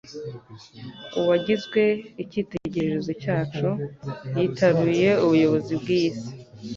Uwagizwe icyitegererezo cyacu, yitaruye ubuyobozi bw'iyi si.